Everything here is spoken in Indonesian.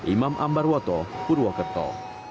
imam ambarwoto purwokerto